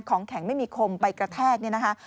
ของแข็งไม่มีคมไปกระแทกเนี่ยนะคะ